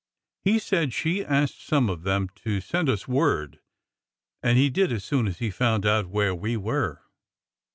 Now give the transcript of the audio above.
He said she asked some of them to send us word, and he did as soon as he found out where we were.